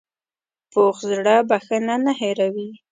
پوخ زړه بښنه نه هېروي